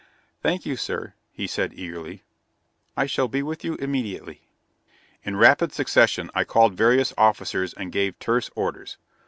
"Thank you, sir!" he said eagerly. "I shall be with you immediately." In rapid succession I called various officers and gave terse orders.